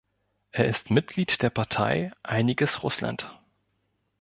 Er ist Mitglied der Partei Einiges Russland.